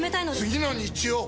次の日曜！